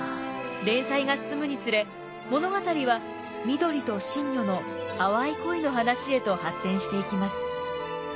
連載が進むにつれ物語は美登利と信如の淡い恋の話へと発展していきます。